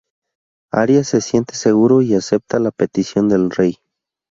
Arias se siente seguro y acepta la petición del Rey.